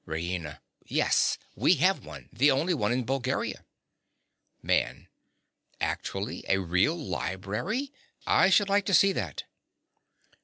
RAINA. Yes, we have one, the only one in Bulgaria. MAN. Actually a real library! I should like to see that.